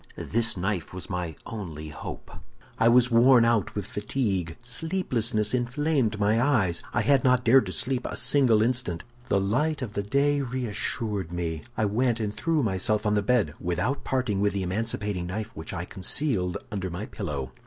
"This knife was my only hope. "I was worn out with fatigue. Sleeplessness inflamed my eyes; I had not dared to sleep a single instant. The light of day reassured me; I went and threw myself on the bed, without parting with the emancipating knife, which I concealed under my pillow.